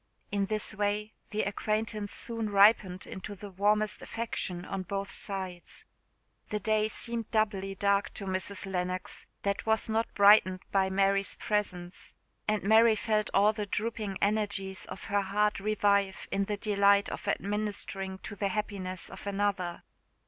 In this way the acquaintance soon ripened into the warmest affection on both sides. The day seemed doubly dark to Mrs. Lennox that was not brightened by Mary's presence; and Mary felt all the drooping energies of her heart revive in the delight of administering to the happiness of another.